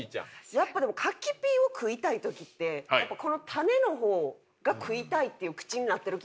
やっぱ柿ピーを食いたい時って種の方が食いたいっていう口になってる気ぃするんですよ。